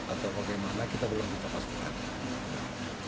atau bagaimana kita belum bisa pastikan